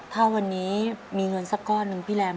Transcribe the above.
ถ้าวันนี้มีเงินสักก้อนหนึ่งพี่แรม